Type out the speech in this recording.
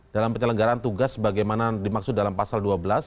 dalam penyelenggaraan tugas bagaimana dimaksud dalam pasal dua belas